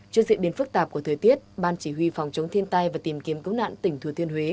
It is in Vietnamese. trước diễn biến phức tạp của thời tiết ban chỉ huy phòng chống thiên tai và tìm kiếm cứu nạn tỉnh thừa thiên huế